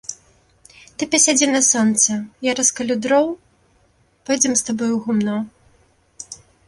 Ты пасядзі на сонцы, я раскалю дроў, пойдзем з табой у гумно.